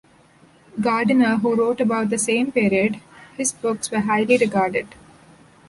Gardiner, who wrote about the same period, his books were highly regarded.